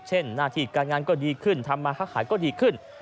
หน้าที่การงานก็ดีขึ้นทำมาค้าขายก็ดีขึ้น